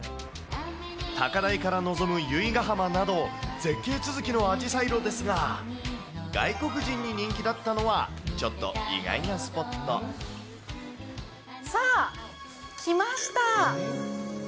高台から望む由比ヶ浜など、絶景続きのアジサイ路ですが、外国人に人気だったのは、ちょっさあ、来ました。